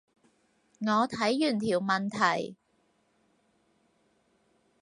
我睇完條問題